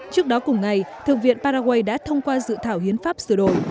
trước đó cùng ngày thượng viện paraguay đã thông qua dự thảo hiến pháp sửa đổi